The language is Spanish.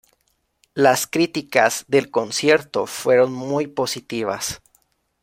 Las críticas del concierto fueron muy positivas.